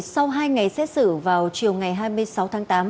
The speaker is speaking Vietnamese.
sau hai ngày xét xử vào chiều ngày hai mươi sáu tháng tám